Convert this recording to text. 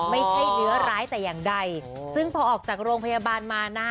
ไม่ใช่เนื้อร้ายแต่อย่างใดซึ่งพอออกจากโรงพยาบาลมานะ